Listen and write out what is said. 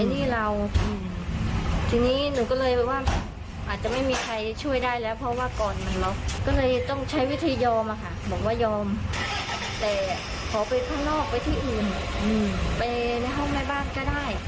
แต่ขอไปข้างนอกไปที่อื่นไปในห้องแม่บ้านก็ได้